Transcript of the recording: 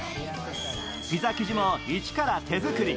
ピザ生地も一から手作り。